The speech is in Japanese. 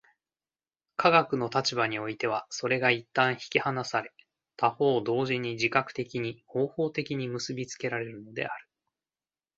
科学の立場においてはそれが一旦引き離され、他方同時に自覚的に、方法的に結び付けられるのである。